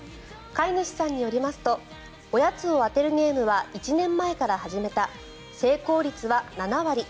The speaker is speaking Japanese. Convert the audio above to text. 飼い主さんによりますとおやつを当てるゲームは１年前から始めた成功率は７割。